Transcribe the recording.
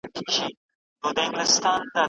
افغان ښوونکي بهر ته د سفر ازادي نه لري.